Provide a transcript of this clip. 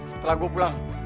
setelah gue pulang